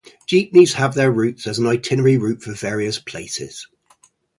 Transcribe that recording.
Jeepneys have their routes as an itinerary route for various places.